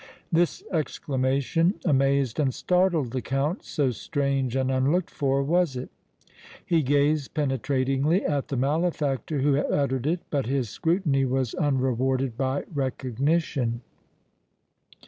This exclamation amazed and startled the Count, so strange and unlooked for was it. He gazed penetratingly at the malefactor who had uttered it, but his scrutiny was unrewarded by recognition.